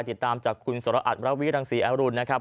ติดตามจากคุณสรอัตรวิรังศรีอรุณนะครับ